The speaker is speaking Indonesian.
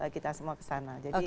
kita semua kesana